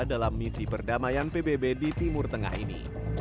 dalam misi perdamaian pbb di timur tengah ini